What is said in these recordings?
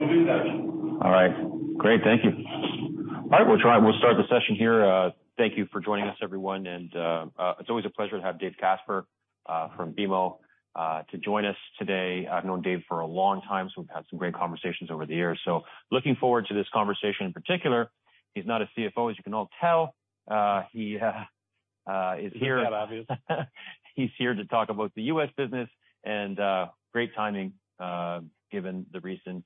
All right. Great. Thank you. All right, we'll start the session here. Thank you for joining us, everyone. It's always a pleasure to have David Casper from BMO to join us today. I've known Dave for a long time, so we've had some great conversations over the years. Looking forward to this conversation in particular. He's not a CFO, as you can all tell. He is here- Is that obvious? He's here to talk about the U.S. business and, great timing, given the recent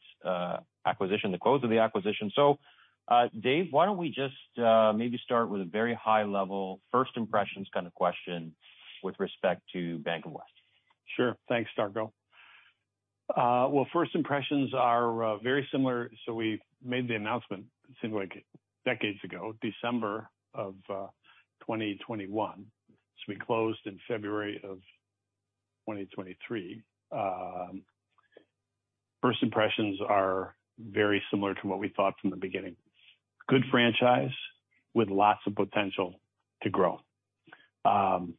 acquisition, the close of the acquisition. Dave, why don't we just maybe start with a very high level first impressions kind of question with respect to Bank of the West. Sure. Thanks, Darko. Well, first impressions are very similar. We made the announcement, it seemed like decades ago, December of 2021. We closed in February of 2023. First impressions are very similar to what we thought from the beginning. Good franchise with lots of potential to grow. The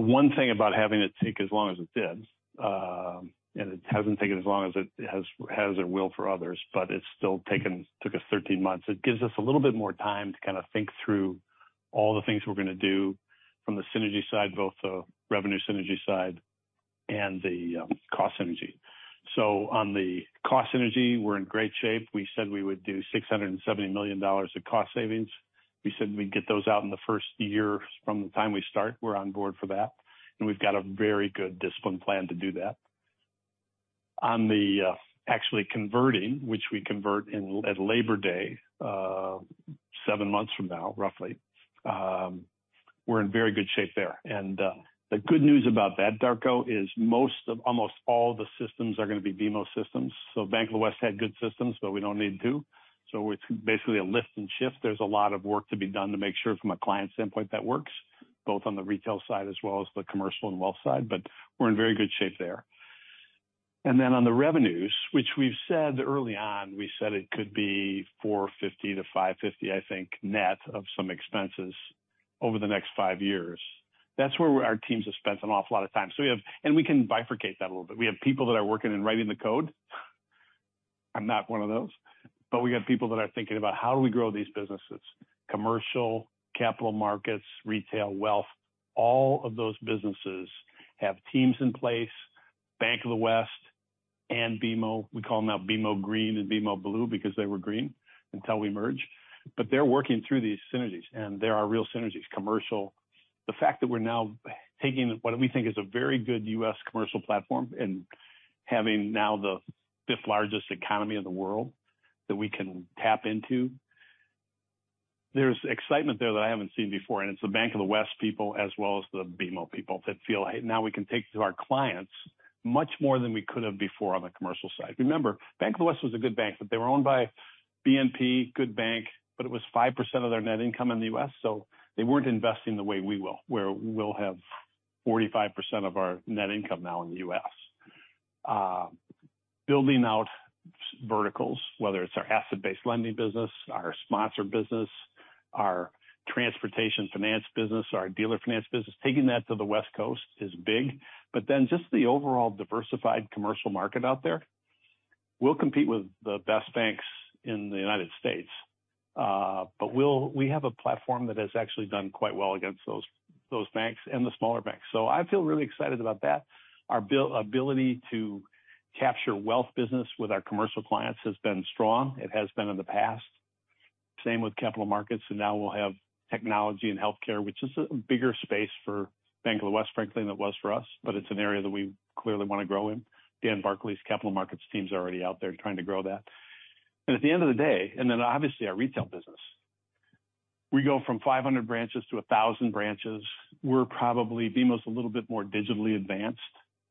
one thing about having it take as long as it did, and it hasn't taken as long as it has or will for others, but it's still took us 13 months. It gives us a little bit more time to kinda think through all the things we're gonna do from the synergy side, both the revenue synergy side and the cost synergy. On the cost synergy, we're in great shape. We said we would do $670 million of cost savings. We said we'd get those out in the first year from the time we start. We're on board for that, and we've got a very good disciplined plan to do that. On the actually converting, which we convert at Labor Day, seven months from now, roughly, we're in very good shape there. The good news about that, Darko, is almost all the systems are gonna be BMO systems. Bank of the West had good systems, but we don't need two. It's basically a lift and shift. There's a lot of work to be done to make sure from a client standpoint, that works both on the retail side as well as the commercial and wealth side, but we're in very good shape there. On the revenues, which we've said early on, we said it could be 450 million-550 million, I think, net of some expenses over the next 5 years. That's where our teams have spent an awful lot of time. We can bifurcate that a little bit. We have people that are working in writing the code. I'm not one of those. We got people that are thinking about how do we grow these businesses, commercial, capital markets, retail, wealth. All of those businesses have teams in place, Bank of the West and BMO. We call them out BMO Green and BMO Blue because they were green until we merged. They're working through these synergies, and they are real synergies. Commercial. The fact that we're now taking what we think is a very good U.S. commercial platform and having now the 5th-largest economy in the world that we can tap into. There's excitement there that I haven't seen before, and it's the Bank of the West people as well as the BMO people that feel, "Hey, now we can take to our clients much more than we could have before on the commercial side." Remember, Bank of the West was a good bank, but they were owned by BNP, good bank, but it was 5% of their net income in the U.S. They weren't investing the way we will, where we'll have 45% of our net income now in the U.S. building out verticals, whether it's our asset-based lending business, our sponsor business, our transportation finance business, our dealer finance business, taking that to the West Coast is big. Just the overall diversified commercial market out there, we'll compete with the best banks in the United States. we have a platform that has actually done quite well against those banks and the smaller banks. I feel really excited about that. Our ability to capture wealth business with our commercial clients has been strong. It has been in the past. Same with capital markets, and now we'll have technology and healthcare, which is a bigger space for Bank of the West, frankly, than it was for us. It's an area that we clearly want to grow in. Dan Barclay's capital markets team's already out there trying to grow that. At the end of the day, and then obviously our retail business. We go from 500 branches to 1,000 branches. We're probably BMO's a little bit more digitally advanced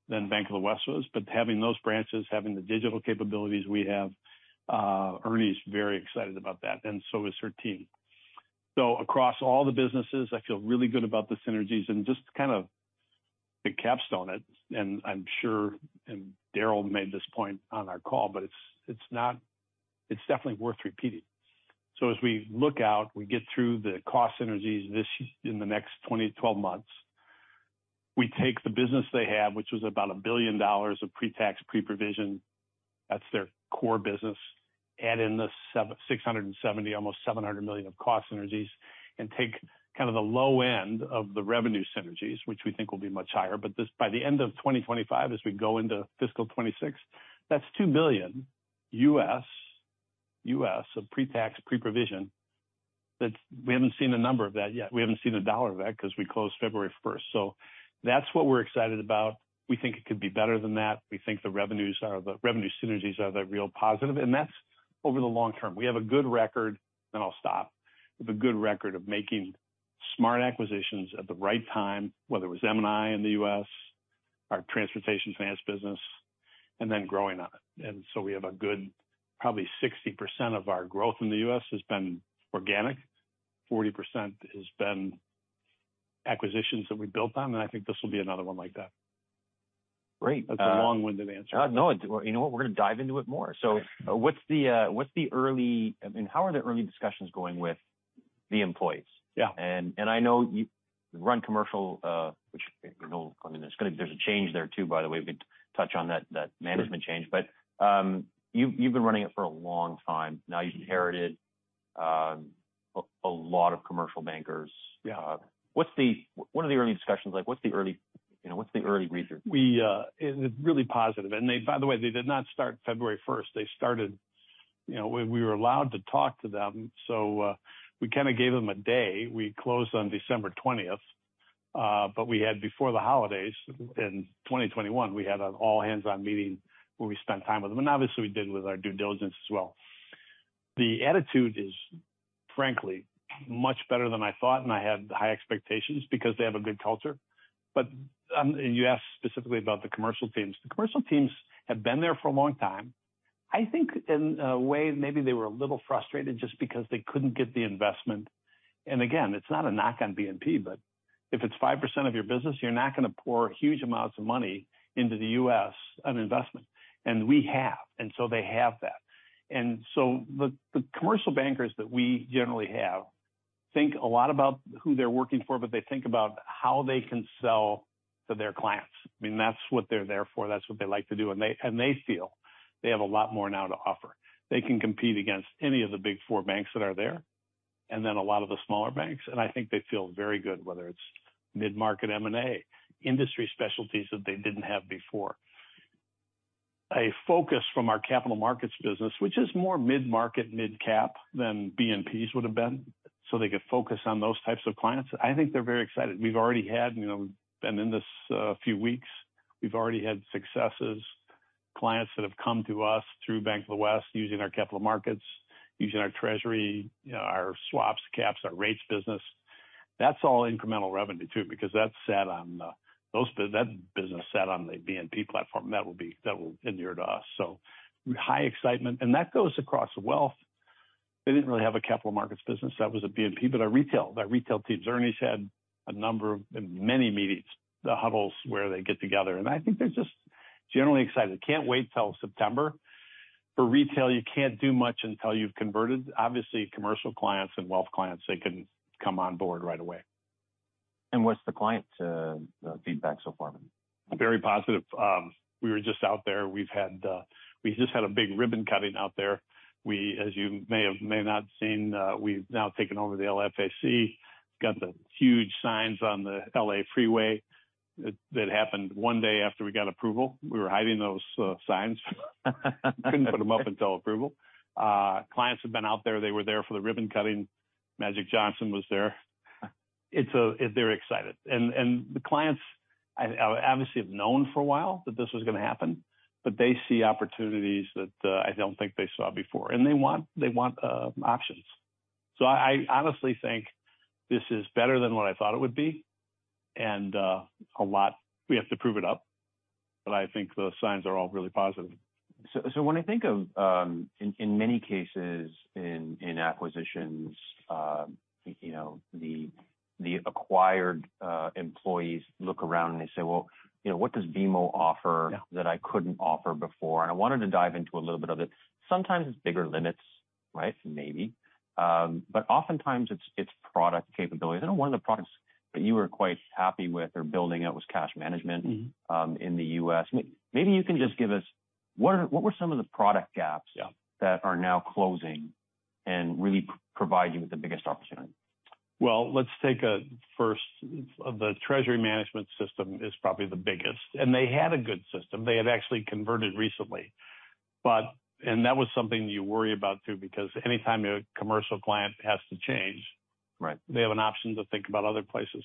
than Bank of the West was, but having those branches, having the digital capabilities we have, Ernie's very excited about that, and so is her team. Across all the businesses, I feel really good about the synergies and just to kind of capstone it, and I'm sure, and Darryl made this point on our call, but it's not, it's definitely worth repeating. As we look out, we get through the cost synergies this in the next 12 months. We take the business they have, which was about $1 billion of pre-tax, pre-provision. That's their core business. Add in the $670 million, almost $700 million of cost synergies, and take kind of the low end of the revenue synergies, which we think will be much higher. By the end of 2025, as we go into fiscal 26, that's $2 billion U.S. of pre-tax, pre-provision. We haven't seen the number of that yet. We haven't seen a dollar of that because we closed February 1st. That's what we're excited about. We think it could be better than that. We think the revenue synergies are the real positive, and that's over the long term. We have a good record, then I'll stop. We have a good record of making smart acquisitions at the right time, whether it was M&I in the U.S., our transportation finance business, and then growing on it. We have probably 60% of our growth in the U.S. has been organic. 40% has been acquisitions that we built on. I think this will be another one like that. Great. That's a long-winded answer. no. You know what? We're gonna dive into it more. I mean, how are the early discussions going with the employees? Yeah. I know you run commercial, which, you know, I mean, there's a change there too, by the way. We could touch on that management change. You've been running it for a long time now. You inherited a lot of commercial bankers. Yeah. What are the early discussions like? What's the early, you know, what's the early read through? We, it's really positive. By the way, they did not start February first. They started, you know, we were allowed to talk to them, we kinda gave them a day. We closed on December 20th. We had before the holidays in 2021, we had an all-hands-on meeting where we spent time with them. Obviously, we did with our due diligence as well. The attitude is, frankly, much better than I thought, and I had high expectations because they have a good culture. You asked specifically about the commercial teams. The commercial teams have been there for a long time. I think in a way, maybe they were a little frustrated just because they couldn't get the investment. Again, it's not a knock on BNP, but if it's 5% of your business, you're not gonna pour huge amounts of money into the U.S. of investment. We have, and so they have that. The commercial bankers that we generally have think a lot about who they're working for, but they think about how they can sell to their clients. I mean, that's what they're there for. That's what they like to do. They feel they have a lot more now to offer. They can compete against any of the big four banks that are there, and then a lot of the smaller banks. I think they feel very good, whether it's mid-market M&A, industry specialties that they didn't have before. A focus from our capital markets business, which is more mid-market, mid-cap than BNP's would have been, so they could focus on those types of clients. I think they're very excited. We've already had, you know, been in this few weeks. We've already had successes. Clients that have come to us through Bank of the West using our capital markets, using our treasury, you know, our swaps caps, our rates business. That's all incremental revenue too because that's sat on that business sat on the BNP platform. That will inure to us. High excitement. That goes across wealth. They didn't really have a capital markets business. That was a BNP, but our retail teams, Ernie's had a number of many meetings, the huddles where they get together, and I think they're just generally excited. Can't wait till September. For retail, you can't do much until you've converted. Obviously, commercial clients and wealth clients, they can come on board right away. what's the client feedback so far been? Very positive. We were just out there. We've had, we just had a big ribbon cutting out there. We, as you may have, may not seen, we've now taken over the LAFC, got the huge signs on the L.A. freeway. That happened one day after we got approval. We were hiding those signs. Couldn't put them up until approval. Clients have been out there. They were there for the ribbon cutting. Magic Johnson was there. It's, they're excited. The clients obviously have known for a while that this was gonna happen, but they see opportunities that, I don't think they saw before. They want options. I honestly think this is better than what I thought it would be, and a lot. We have to prove it up, but I think the signs are all really positive. so when I think of, in many cases in acquisitions, you know, the acquired, employees look around and they say, "Well, you know, what does BMO offer- Yeah -that I couldn't offer before?" I wanted to dive into a little bit of it. Sometimes it's bigger limits, right? Maybe. Oftentimes, it's product capabilities. I know one of the products that you were quite happy with or building out was cash management in the U.S. Maybe you can just give us what are, what were some of the product gaps? Yeah that are now closing and really provide you with the biggest opportunity? Well, let's take a first of the treasury management system is probably the biggest. They had a good system. They had actually converted recently. That was something you worry about too because anytime your commercial client has to change... Right they have an option to think about other places.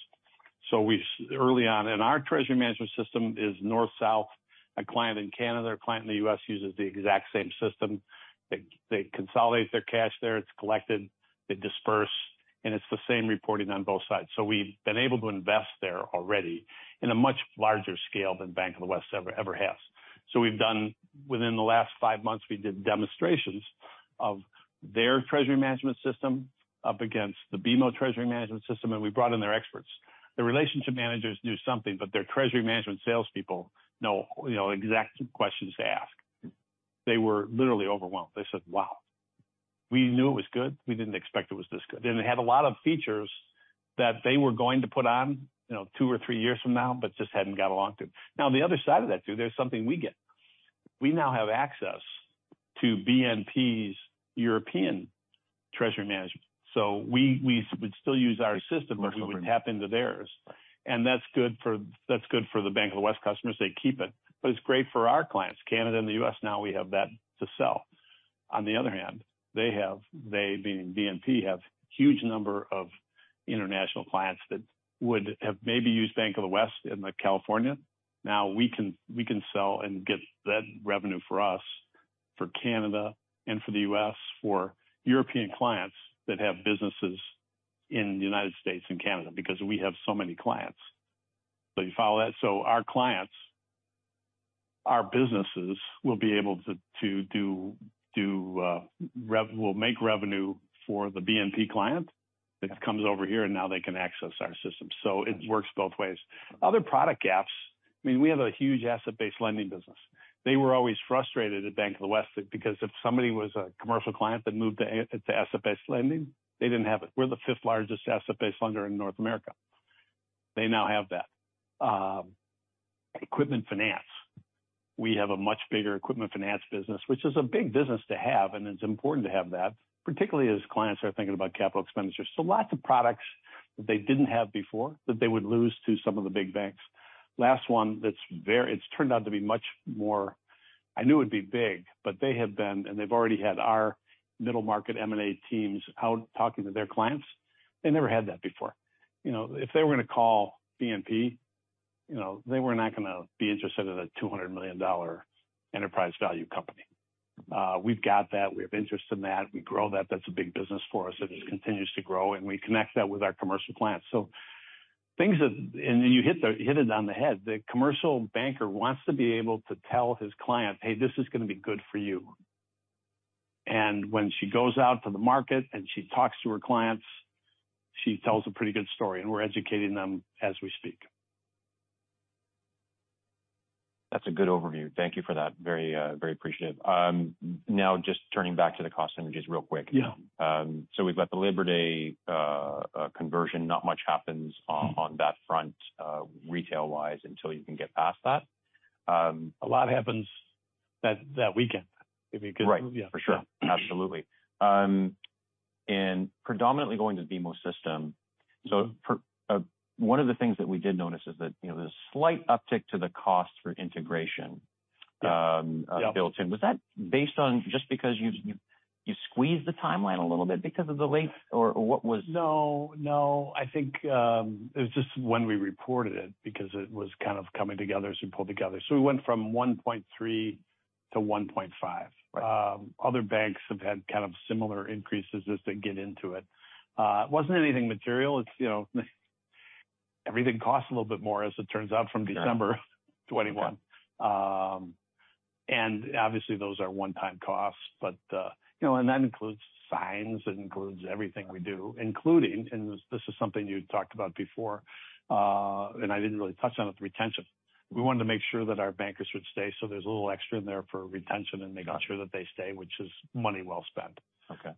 We early on. Our treasury management system is north-south. A client in Canada or a client in the U.S. uses the exact same system. They consolidate their cash there, it's collected, they disperse, and it's the same reporting on both sides. We've been able to invest there already in a much larger scale than Bank of the West ever has. We've done, within the last five months, we did demonstrations of their treasury management system up against the BMO treasury management system, and we brought in their experts. The relationship managers knew something, but their treasury management salespeople know, you know, exact questions to ask. They were literally overwhelmed. They said, "Wow. We knew it was good. We didn't expect it was this good." It had a lot of features that they were going to put on, you know, two or three years from now, but just hadn't got along to. On the other side of that too, there's something we get. We now have access to BNP's European treasury management. We, we would still use our system, but we would tap into theirs. Right. That's good for the Bank of the West customers. They keep it. It's great for our clients. Canada and the U.S., now we have that to sell. On the other hand, they being BNP, have huge number of international clients that would have maybe used Bank of the West in, like, California. Now we can sell and get that revenue for us, for Canada and for the U.S., for European clients that have businesses in the United States and Canada because we have so many clients. You follow that? Our clients, our businesses will be able to make revenue for the BNP client that comes over here, and now they can access our system. It works both ways. Other product gaps, I mean, we have a huge asset-based lending business. They were always frustrated at Bank of the West because if somebody was a commercial client that moved to asset-based lending, they didn't have it. We're the fifth largest asset-based lender in North America. They now have that. Equipment finance. We have a much bigger equipment finance business, which is a big business to have, and it's important to have that, particularly as clients are thinking about capital expenditures. Lots of products that they didn't have before that they would lose to some of the big banks. Last one that's it's turned out to be much more... I knew it would be big, but they have been, and they've already had our mid-market M&A teams out talking to their clients. They never had that before. You know, if they were going to call BNP, you know, they were not gonna be interested in a $200 million enterprise value company. We've got that. We have interest in that. We grow that. That's a big business for us, and it continues to grow, and we connect that with our commercial clients. You hit it on the head. The commercial banker wants to be able to tell his client, "Hey, this is gonna be good for you." When she goes out to the market and she talks to her clients, she tells a pretty good story, and we're educating them as we speak. That's a good overview. Thank you for that. Very, very appreciative. Now just turning back to the cost synergies real quick. Yeah. We've got the Labor Day conversion. Not much happens on that front, retail-wise, until you can get past that. A lot happens that weekend. Right. Yeah. For sure. Absolutely. Predominantly going to the BMO system. For one of the things that we did notice is that, you know, there's a slight uptick to the cost for integration. Yeah. built in. Was that based on just because you squeezed the timeline a little bit because of the length or what was? No, no. I think, it was just when we reported it because it was kind of coming together as we pulled together. We went from 1.3-1.5. Other banks have had kind of similar increases as they get into it. It wasn't anything material. It's, you know, everything costs a little bit more, as it turns out, from December 2021. Obviously those are one-time costs, but, you know, and that includes signs, it includes everything we do, including, and this is something you talked about before, and I didn't really touch on, with retention. We wanted to make sure that our bankers would stay, so there's a little extra in there for retention, and they got sure that they stay, which is money well spent. Okay.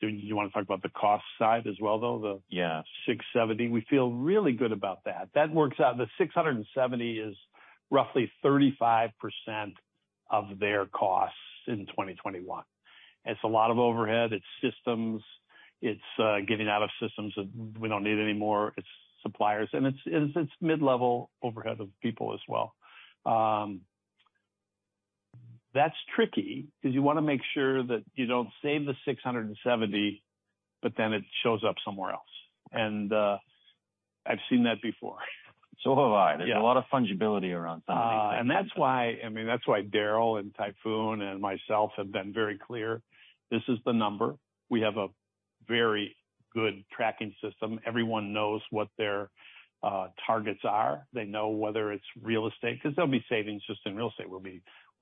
Do you want to talk about the cost side as well, though? Yeah. $670? We feel really good about that. That works out. The $670 is roughly 35% of their costs in 2021. It's a lot of overhead. It's systems. It's getting out of systems that we don't need anymore. It's suppliers, it's mid-level overhead of people as well. That's tricky because you wanna make sure that you don't save the $670, but then it shows up somewhere else. I've seen that before. Have I. Yeah. There's a lot of fungibility around some of these things. That's why, I mean, that's why Darryl and Tayfun and myself have been very clear, this is the number. We have a very good tracking system. Everyone knows what their targets are. They know whether it's real estate, 'cause there'll be savings just in real estate.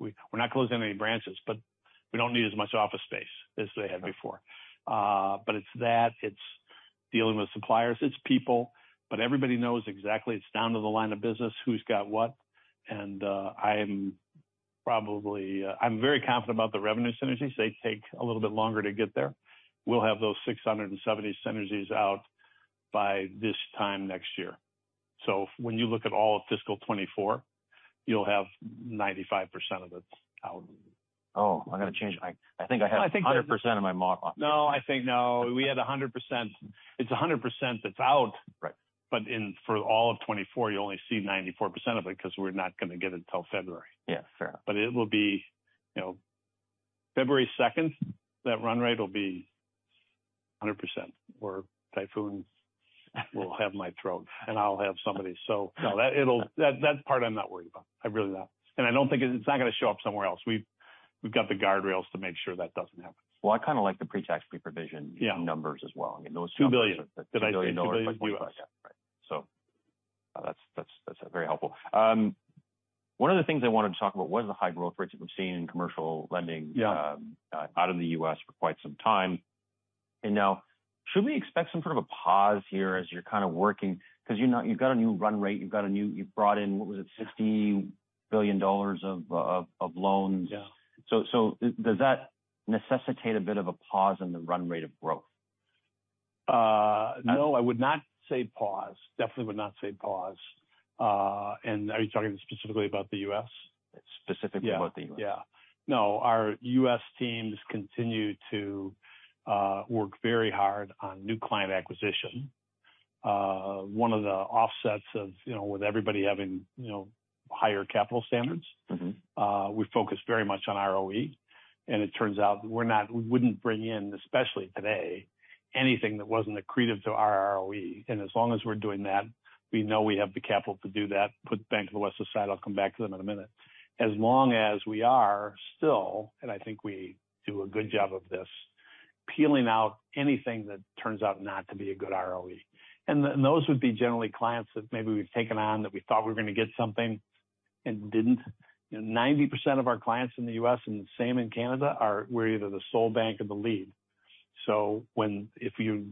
We're not closing any branches, but we don't need as much office space as they had before. But it's that, it's dealing with suppliers, it's people, but everybody knows exactly. It's down to the line of business, who's got what. I am probably very confident about the revenue synergies. They take a little bit longer to get there. We'll have those 670 synergies out by this time next year. When you look at all of fiscal 2024, you'll have 95% of it out. Oh, I gotta change. I think I have 100% in my model. No, we had 100%. It's 100% that's out. Right. For all of 2024, you only see 94% of it because we're not gonna get it till February. Yeah, fair. It will be, you know, February second, that run rate will be 100%, or Tayfun will have my throat and I'll have somebody's. No, that part I'm not worried about. I'm really not. I don't think it's not gonna show up somewhere else. We've got the guardrails to make sure that doesn't happen. Well, I kinda like the pre-tax, pre-provision... Yeah. numbers as well. I mean, those $2 billion. $2 billion. The $2 billion. Yeah. Right. That's very helpful. One of the things I wanted to talk about was the high growth rates that we've seen in commercial lending... Yeah. out of the U.S. for quite some time. Now should we expect some sort of a pause here as you're kind of working? 'Cause you've got a new run rate, you've brought in, what was it, $50 billion of loans. Yeah. Does that necessitate a bit of a pause in the run rate of growth? No, I would not say pause. Definitely would not say pause. Are you talking specifically about the U.S.? Specifically about the U.S. Yeah. No, our U.S. teams continue to work very hard on new client acquisition. One of the offsets of, you know, with everybody having, you know, higher capital standards. We focus very much on ROE. It turns out we wouldn't bring in, especially today, anything that wasn't accretive to our ROE. As long as we're doing that, we know we have the capital to do that. Put Bank of the West aside, I'll come back to them in a minute. As long as we are still, and I think we do a good job of this, peeling out anything that turns out not to be a good ROE. Those would be generally clients that maybe we've taken on that we thought we were gonna get something and didn't. You know, 90% of our clients in the U.S., and same in Canada, we're either the sole bank or the lead. If you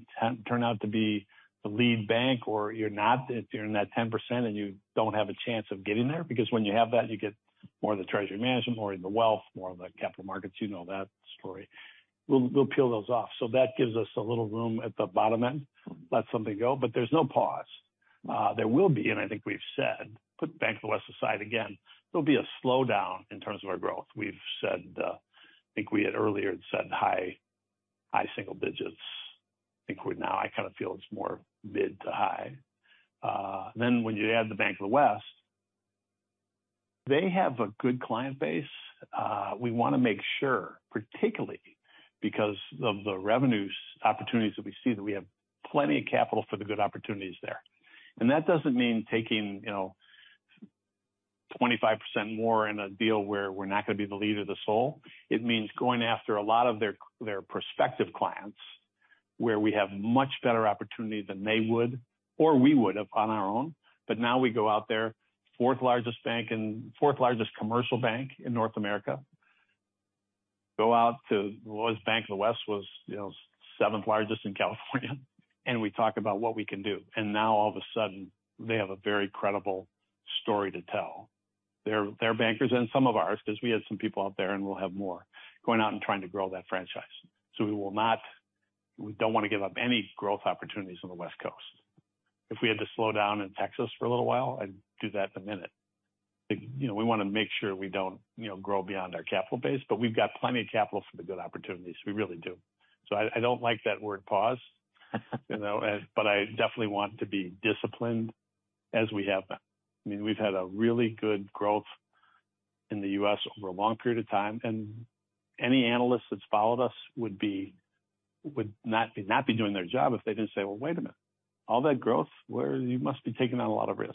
turn out to be the lead bank or you're not, if you're in that 10% and you don't have a chance of getting there, because when you have that, you get more of the treasury management, more in the wealth, more of the capital markets, you know that story. We'll peel those off. That gives us a little room at the bottom end. Let something go. There's no pause. There will be, and I think we've said, put Bank of the West aside again, there'll be a slowdown in terms of our growth. We've said, I think we had earlier said high, high single digits. I think we're now, I kind of feel it's more mid to high. When you add the Bank of the West, they have a good client base. We want to make sure, particularly because of the revenues opportunities that we see, that we have plenty of capital for the good opportunities there. That doesn't mean taking, you know, 25% more in a deal where we're not going to be the lead or the sole. It means going after a lot of their prospective clients, where we have much better opportunity than they would or we would have on our own. Now we go out there, 4th largest bank and 4th largest commercial bank in North America. Go out to what was Bank of the West, you know, 7th largest in California, we talk about what we can do. Now all of a sudden, they have a very credible story to tell. Their bankers and some of ours, because we had some people out there and we'll have more going out and trying to grow that franchise. We don't want to give up any growth opportunities on the West Coast. If we had to slow down in Texas for a little while, I'd do that in a minute. You know, we want to make sure we don't, you know, grow beyond our capital base, but we've got plenty of capital for the good opportunities. We really do. I don't like that word pause, you know, but I definitely want to be disciplined as we have been. I mean, we've had a really good growth in the U.S. over a long period of time, and any analyst that's followed us would not be doing their job if they didn't say, "Well, wait a minute. All that growth, you must be taking on a lot of risk."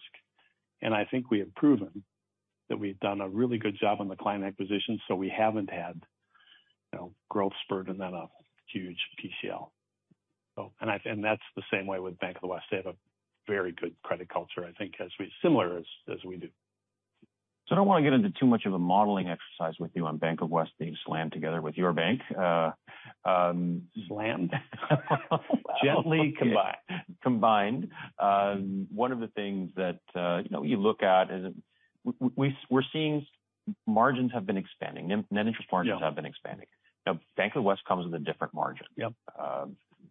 I think we have proven that we've done a really good job on the client acquisition, so we haven't had, you know, growth spurt and then a huge PCL. That's the same way with Bank of the West. They have a very good credit culture, I think, similar as we do. I don't want to get into too much of a modeling exercise with you on Bank of the West being slammed together with your bank. Slammed? Gently combined. One of the things that, you know, you look at is we're seeing margins have been expanding. Net interest margins have been expanding. Bank of the West comes with a different margin. Yep.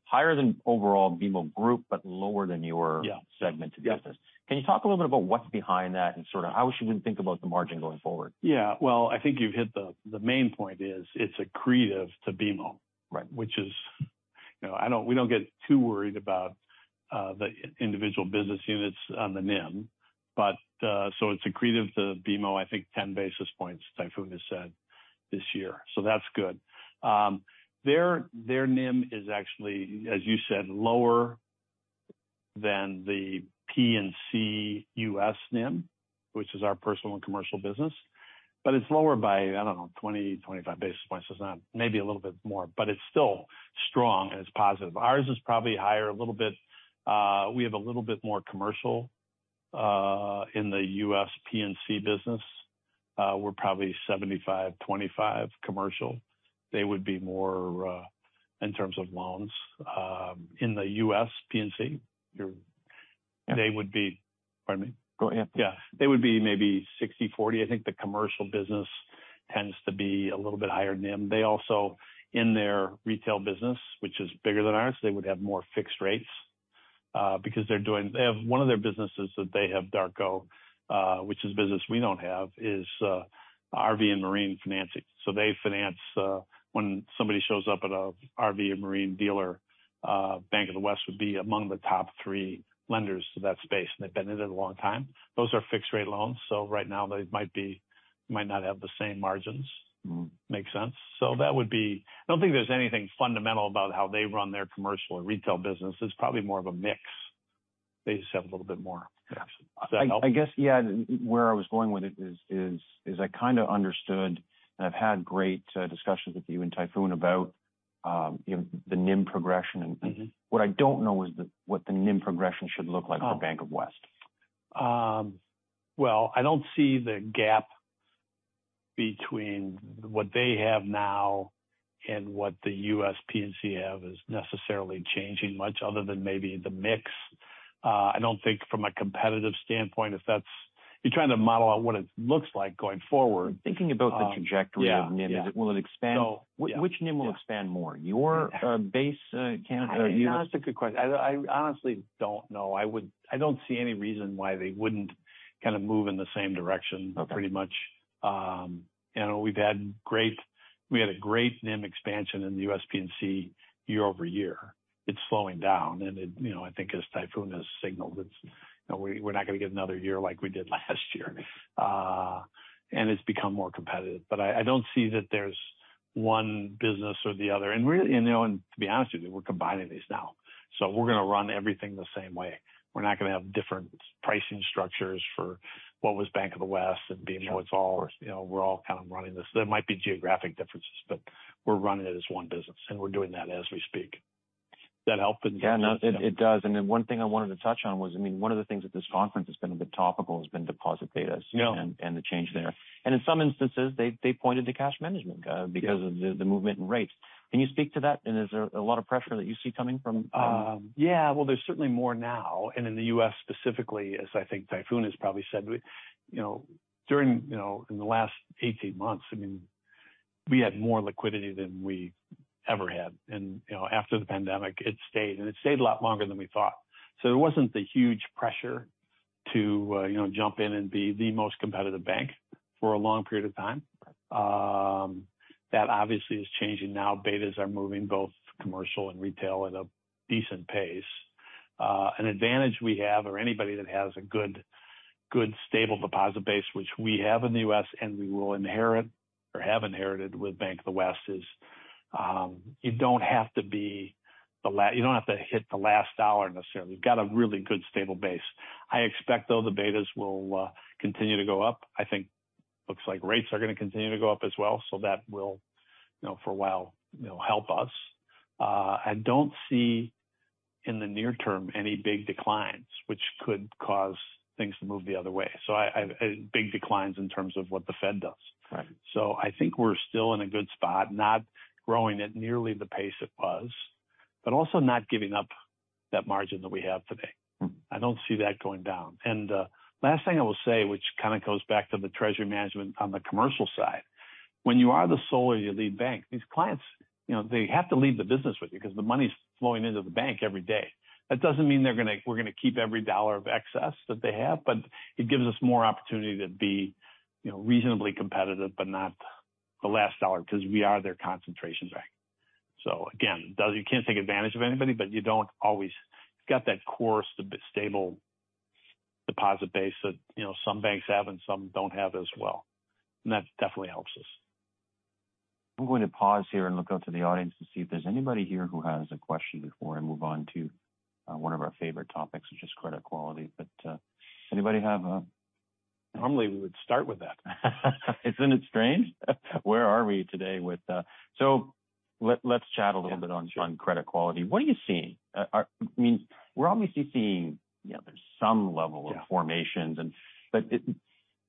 higher than overall BMO group, but lower than your-. Yeah. Segmented business. Can you talk a little bit about what's behind that and sort of how we should even think about the margin going forward? Yeah. Well, I think you've hit the main point is it's accretive to BMO. Right. Which is, you know, we don't get too worried about the individual business units on the NIM, it's accretive to BMO, I think 10 basis points, Tayfun has said this year. That's good. Their NIM is actually, as you said, lower than the P&C US NIM, which is our personal and commercial business, it's lower by, I don't know, 20-25 basis points. Maybe a little bit more, it's still strong and it's positive. Ours is probably higher a little bit. We have a little bit more commercial in the US P&C business. We're probably 75, 25 commercial. They would be more in terms of loans in the US P&C. Pardon me. Go ahead. Yeah. They would be maybe 60/40. I think the commercial business tends to be a little bit higher NIM. They also, in their retail business, which is bigger than ours, they would have more fixed rates, because they have one of their businesses that they have, Darko, which is business we don't have, is RV and marine financing. They finance when somebody shows up at a RV or marine dealer, Bank of the West would be among the top 3 lenders to that space, and they've been in it a long time. Those are fixed rate loans. Right now they might not have the same margins. Make sense? That would be. I don't think there's anything fundamental about how they run their commercial or retail business. It's probably more of a mix. They just have a little bit more. Does that help? I guess, yeah. Where I was going with it is I kinda understood, and I've had great discussions with you and Tayfun about, you know, the NIM progression and what I don't know is what the NIM progression should look like for Bank of the West. Well, I don't see the gap between what they have now and what the US P&C have is necessarily changing much other than maybe the mix. I don't think from a competitive standpoint, if you're trying to model out what it looks like going forward. Thinking about the trajectory of NIM. Yeah. Will it expand? So- Which NIM will expand more? Your, base? That's a good question. I honestly don't know. I don't see any reason why they wouldn't kind of move in the same direction. Okay. Pretty much. you know, we had a great NIM expansion in the US P&C year-over-year. It's slowing down, and it, you know, I think as Tayfun has signaled, it's, you know, we're not gonna get another year like we did last year. It's become more competitive. I don't see that there's one business or the other. Really, you know, and to be honest with you, we're combining these now. We're gonna run everything the same way. We're not gonna have different pricing structures for what was Bank of the West and BMO. It's all, you know, we're all kind of running this. There might be geographic differences, but we're running it as one business, and we're doing that as we speak. That help in- Yeah, no, it does. One thing I wanted to touch on was, I mean, one of the things that this conference has been a bit topical has been deposit betas. Yeah... and the change there. In some instances, they pointed to cash management. Yeah ...because of the movement in rates. Can you speak to that? Is there a lot of pressure that you see coming from? Yeah. Well, there's certainly more now and in the U.S. specifically, as I think Tayfun has probably said. You know, during, in the last 18 months, I mean, we had more liquidity than we ever had. You know, after the pandemic it stayed, and it stayed a lot longer than we thought. There wasn't the huge pressure to, you know, jump in and be the most competitive bank for a long period of time. That obviously is changing now. Betas are moving both commercial and retail at a decent pace. An advantage we have or anybody that has a good stable deposit base, which we have in the U.S. and we will inherit or have inherited with Bank of the West, is, you don't have to be the last you don't have to hit the last dollar necessarily. We've got a really good stable base. I expect though the betas will continue to go up. I think looks like rates are gonna continue to go up as well, that will, you know, for a while, you know, help us. I don't see in the near term any big declines which could cause things to move the other way. Big declines in terms of what the Fed does. Right. I think we're still in a good spot, not growing at nearly the pace it was, but also not giving up that margin that we have today.I don't see that going down. Last thing I will say, which kind of goes back to the treasury management on the commercial side. When you are the sole or you're the bank, these clients, you know, they have to leave the business with you because the money's flowing into the bank every day. That doesn't mean we're gonna keep every dollar of excess that they have, but it gives us more opportunity to be, you know, reasonably competitive, but not the last dollar because we are their concentrations bank. Again, you can't take advantage of anybody, but you don't always... You've got that core stable deposit base that, you know, some banks have and some don't have as well. That definitely helps us. I'm going to pause here and look out to the audience and see if there's anybody here who has a question before I move on to one of our favorite topics, which is credit quality. Anybody have? Normally, we would start with that. Isn't it strange? Where are we today with. Let's chat a little bit on credit quality. What are you seeing? I mean, we're obviously seeing, you know, there's some level of formations. Yeah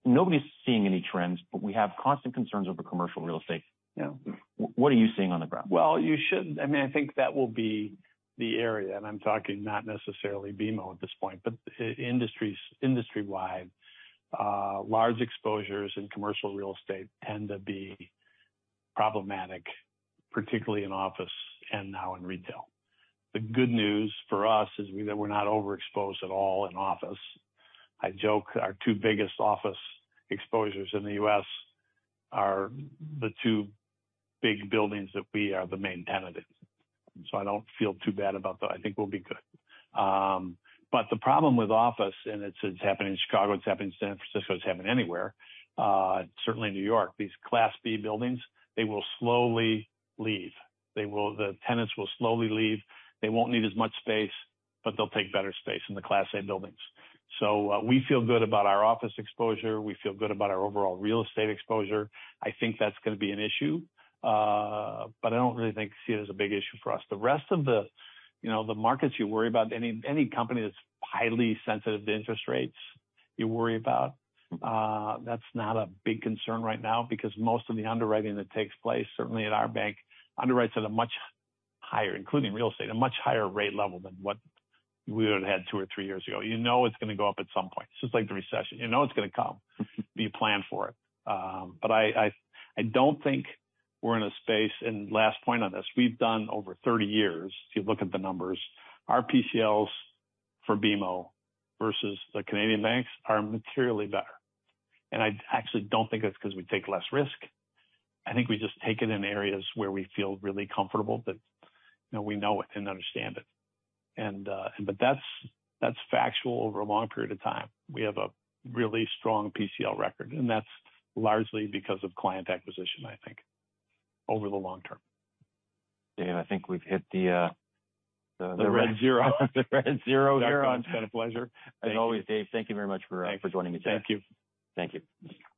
Nobody's seeing any trends, but we have constant concerns over commercial real estate. Yeah. What are you seeing on the ground? Well, you should. I mean, I think that will be the area, and I'm talking not necessarily BMO at this point, but industries, industry-wide, large exposures in commercial real estate tend to be problematic, particularly in office and now in retail. The good news for us is that we're not overexposed at all in office. I joke our 2 biggest office exposures in the U.S. are the 2 big buildings that we are the main tenant in. I don't feel too bad about that. I think we'll be good. The problem with office, and it's happening in Chicago, it's happening in San Francisco, it's happening anywhere, certainly New York. These Class B buildings, they will slowly leave. The tenants will slowly leave. They won't need as much space, but they'll take better space in the Class A buildings. We feel good about our office exposure. We feel good about our overall real estate exposure. I think that's gonna be an issue, but I don't really see it as a big issue for us. The rest of the, you know, the markets you worry about, any company that's highly sensitive to interest rates, you worry about. That's not a big concern right now because most of the underwriting that takes place, certainly at our bank, underwrites at a much higher, including real estate, a much higher rate level than what we would've had two or three years ago. You know it's gonna go up at some point. It's just like the recession. You know it's gonna come. You plan for it. But I don't think we're in a space, and last point on this. We've done over 30 years, if you look at the numbers. Our PCLs for BMO versus the Canadian banks are materially better. I actually don't think it's because we take less risk. I think we just take it in areas where we feel really comfortable that, you know, we know it and understand it. But that's factual over a long period of time. We have a really strong PCL record, and that's largely because of client acquisition, I think, over the long term. Dave, I think we've hit the. The red zero. The red zero here. It's been a pleasure. Thank you. As always, Dave, thank you very much for. Thank you. -joining me today. Thank you. Thank you.